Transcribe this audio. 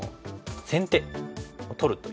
先手を取るという。